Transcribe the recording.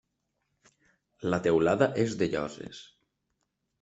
La teulada és de lloses.